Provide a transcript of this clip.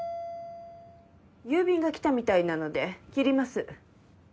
郵便が来たみたいなので切ります。